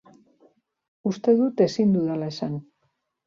Uste dut ezin dudala esan.